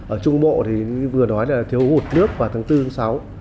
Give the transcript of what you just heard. ở trung bộ thì như vừa nói là thiếu hụt nước vào tháng bốn tháng sáu